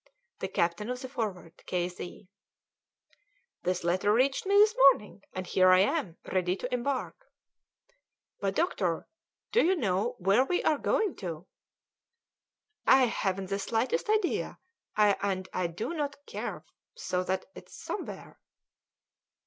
"THE CAPTAIN OF THE 'FORWARD,' "K. Z." "This letter reached me this morning, and here I am, ready to embark." "But, doctor, do you know where we are going to?" "I haven't the slightest idea, and I do not care so that it is somewhere.